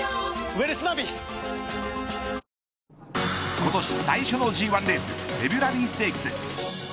今年最初のＧ１レースフェブラリーステークス。